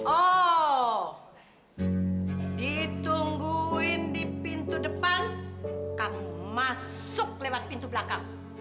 oh ditungguin di pintu depan kamu masuk lewat pintu belakang